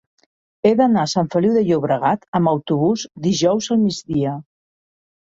He d'anar a Sant Feliu de Llobregat amb autobús dijous al migdia.